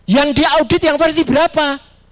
yang diaudit yang versi berapa